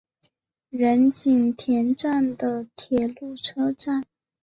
仁井田站的铁路车站。